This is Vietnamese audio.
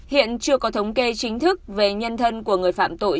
hiện chưa có thống kê chính thức về nhân thân của người phạm tội